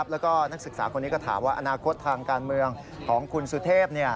แล้วก็นักศึกษาคนนี้ก็ถามว่าอนาคตทางการเมืองของคุณสุเทพ